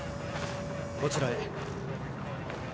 こちらへ。